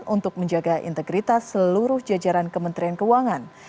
untuk menjaga integritas seluruh jajaran kementerian keuangan